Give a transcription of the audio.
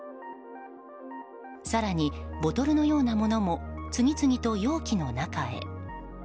更に、ボトルのようなものも次々と容器の中へ。